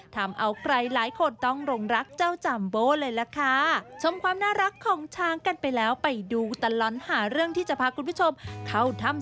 ทำเอาใครหลายคนต้องรองรักเจ้าเลยแหละค่ะชมความน่ารักของช้างกันไปแล้วไปดูตลอดหาเรื่องที่จะพาคุณผู้ชมเข้าทำ